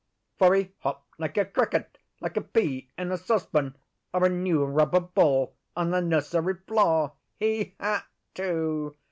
For he hopped like a cricket; like a pea in a saucepan; or a new rubber ball on a nursery floor. He had to!